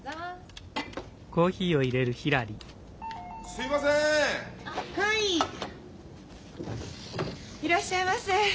いらっしゃいませ。